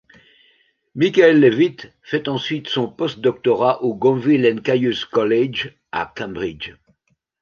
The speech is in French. Michael Levitt fait ensuite son post-doctorat au Gonville and Caius College à Cambridge.